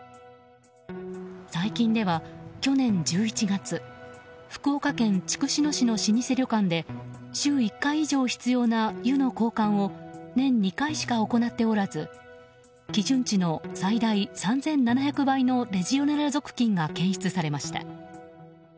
最近では去年１１月福岡県筑紫野市の老舗旅館で週１回以上必要な湯の交換を年２回しか行っておらず基準値の最大３７００倍のレジオネラ属菌が検出されました。